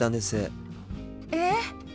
えっ？